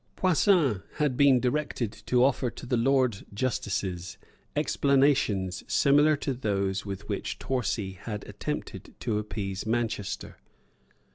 Poussin had been directed to offer to the Lords Justices explanations similar to those with which Torcy had attempted to appease Manchester.